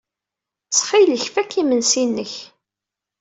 Ttxil-k, fak imensi-nnek.